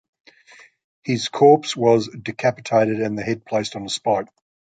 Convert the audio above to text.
His corpse was decapitated and the head placed on a spike.